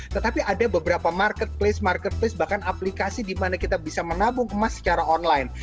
tetapi ada beberapa marketplace marketplace bahkan aplikasi di mana kita bisa menabung emas secara online